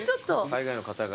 海外の方が。